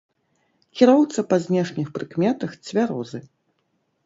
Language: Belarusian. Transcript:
Кіроўца па знешніх прыкметах цвярозы.